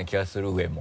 上も。